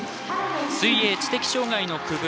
水泳・知的障害の区分